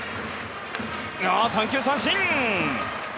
三球三振！